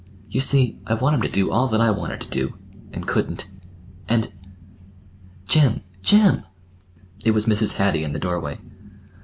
You see, I want him to do all that I wanted to do—and couldn't. And—" "Jim, jim!" It was Mrs. Hattie in the doorway.